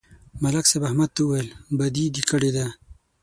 ملک صاحب احمد ته وویل: بدي دې کړې ده